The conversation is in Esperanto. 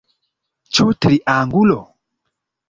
Ĉu triangulo?